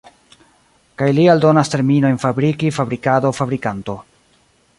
Kaj li aldonas terminojn fabriki, fabrikado, fabrikanto.